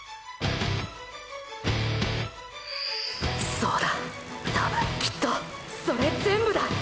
そうだたぶんきっとそれ全部だ！！